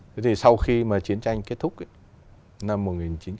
thế thì sau khi mà chiến tranh kết thúc ấy